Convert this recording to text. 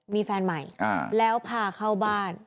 มีแฟนใหม่แล้วพาเข้าบ้าน